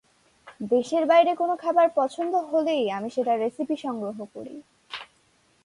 দেশের বাইরে কোনো খাবার পছন্দ হলেই আমি সেটার রেসিপি সংগ্রহ করি।